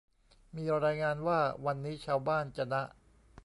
มีรายงานว่า วันนี้ชาวบ้านจะนะ